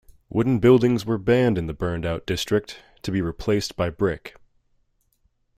Wooden buildings were banned in the burned out district, to be replaced by brick.